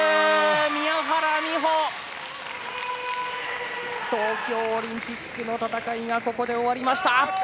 宮原美穂東京オリンピックの戦いがここで終わりました。